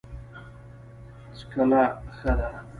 څکلا ښه ده.